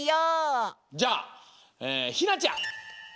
じゃあひなちゃん。